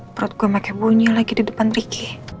perut gue makanya bunyi lagi di depan riki